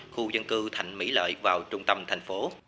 khu dân cư thạnh mỹ lợi vào trung tâm thành phố